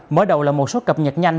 mở đầu là một số cập nhật nhanh